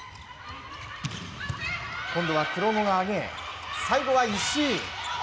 今度は黒後が上げ、最後は石井。